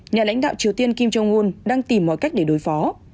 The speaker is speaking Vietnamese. nhà lãnh đạo triều tiên kim jong un đang tìm mọi cách để đối phó